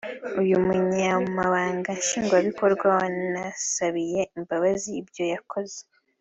Uyu Munyamabanga Nshingwabikorwa wanasabiye imbabazi ibyo yakoze